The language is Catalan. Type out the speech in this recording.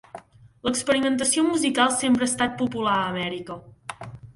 L'experimentació musical sempre ha estat popular a Amèrica.